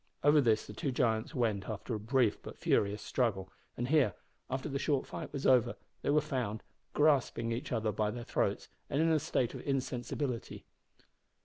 Over this the two giants went after a brief but furious struggle, and here, after the short fight was over, they were found, grasping each other by their throats, and in a state of insensibility.